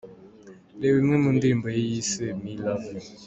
Reba imwe mu ndirimbo ye yise 'Me love you' .